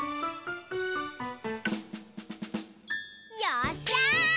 よっしゃ！